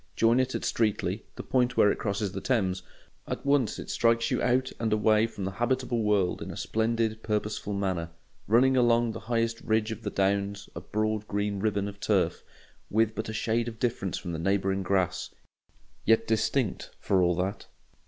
Join it at Streatley, the point where it crosses the Thames; at once it strikes you out and away from the habitable world in a splendid, purposeful manner, running along the highest ridge of the Downs a broad green ribbon of turf, with but a shade of difference from the neighbouring grass, yet distinct for all that.